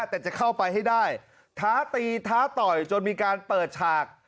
แต่จะเข้าไปให้ได้ท้าตีท้าต่อยจนมีการเปิดฉาก